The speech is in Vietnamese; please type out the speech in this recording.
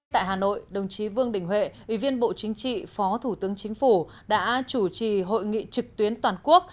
tại hà nội đồng chí vương đình huệ ủy viên bộ chính trị phó thủ tướng chính phủ đã chủ trì hội nghị trực tuyến toàn quốc